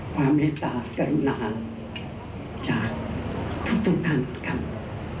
ความเฮตากรุณาจากทุกท่านครับ